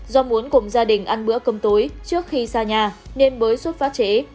do muốn cùng gia đình ăn bữa cơm tối trước khi xa nhà nên mới xuất phát chế